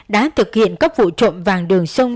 đã thực hiện các vụ trộm vàng đường sông